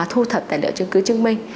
thu thập tài liệu chứng cứ chứng minh